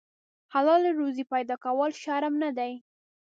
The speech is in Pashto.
حلاله روزي پیدا کول شرم نه دی.